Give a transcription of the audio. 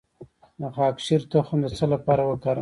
د خاکشیر تخم د څه لپاره وکاروم؟